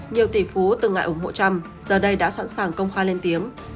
nhiều tỷ phú từng ngại ủng hộ trump giờ đây đã sẵn sàng công khai lên tiếng